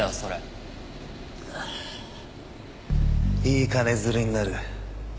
いい金づるになる。